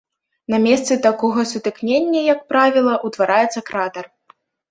На месцы такога сутыкнення, як правіла, утвараецца кратар.